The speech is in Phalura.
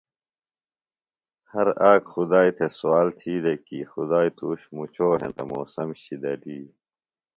ہر آک خُدائی تھےۡ سوال تھی دےۡ کی خُدائی تُوش مُچو ہینتہ موسم شِدلیۡ۔